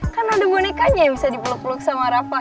kan ada bonekanya yang bisa dipeluk peluk sama rafah